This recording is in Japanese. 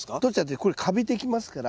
これカビてきますから。